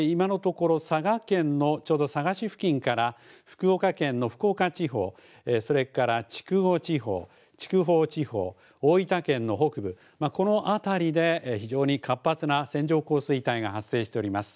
そして今のところ、佐賀県のちょうど佐賀市付近から福岡県の福岡地方、それから筑後地方、筑豊地方、大分県の北部、この辺りで、非常に活発な線状降水帯が発生しております。